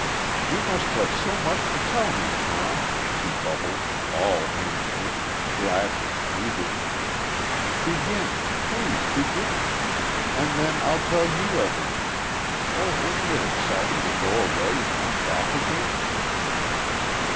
"You must have so much to tell me, Tom!" she bubbled, all animation, gladness, eagerness. "Begin! Please, begin! And then I'll tell you everything. Oh, isn't it exciting to go away and come back again!"